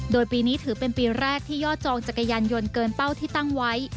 โดยปีนี้ถือเป็นปีแรกที่ยอดจองจักรยานยนต์เกินเป้าที่ตั้งไว้